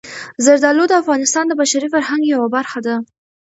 زردالو د افغانستان د بشري فرهنګ یوه برخه ده.